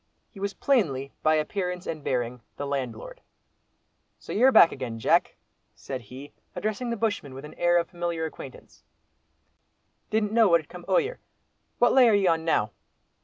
He was plainly, by appearance and bearing, the landlord. "So you're back again, Jack," said he, addressing the bushman with an air of familiar acquaintance; "didn't know what had come o'yer. What lay are ye on now?"